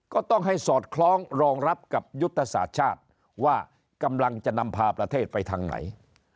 ก็ต้องให้สอดคล้องรองรับกับยุทธศาสตร์ชาติว่ากำลังจะนำพาประเทศไปทางไหน